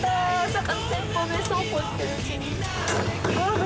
３店舗目そうこうしてるうちに。